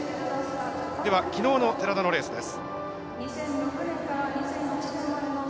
きのうの寺田のレースです。